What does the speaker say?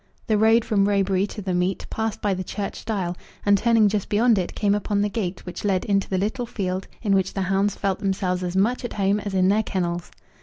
The road from Roebury to the meet passed by the church stile, and turning just beyond it came upon the gate which led into the little field in which the hounds felt themselves as much at home as in their kennels.